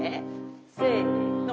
せの。